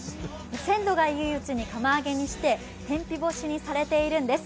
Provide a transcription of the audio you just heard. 鮮度がいいうちに釜揚げにして天日干しにされているんです。